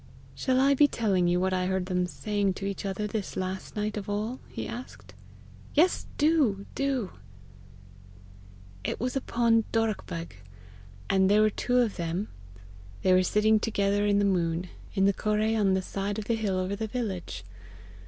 "Shall I be telling you what I heard them saying to each other this last night of all?" he asked. "Yes, do, do!" "It was upon Dorrachbeg; and there were two of them. They were sitting together in the moon in the correi on the side of the hill over the village.